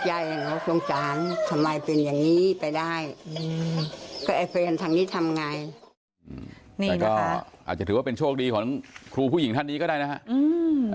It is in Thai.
อาจจะถือว่าเป็นโชคดีของครูผู้หญิงท่านนี้ก็ได้นะฮะ